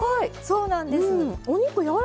そうなんですよ